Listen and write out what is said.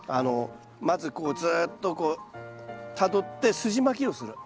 まずこうずっとたどってすじまきをする。